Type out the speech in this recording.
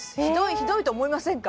ひどいと思いませんか？